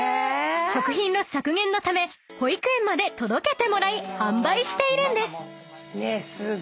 ［食品ロス削減のため保育園まで届けてもらい販売しているんです］